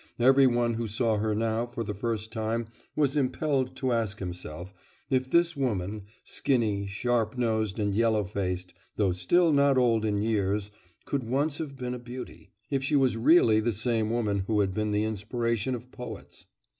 Every one who saw her now for the first time was impelled to ask himself, if this woman skinny, sharp nosed, and yellow faced, though still not old in years could once have been a beauty, if she was really the same woman who had been the inspiration of poets....